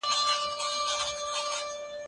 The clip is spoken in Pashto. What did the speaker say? هغه ناروغ چې مرسته غواړي مهم دی.